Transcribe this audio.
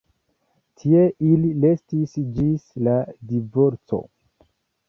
Tie ili restis ĝis la divorco.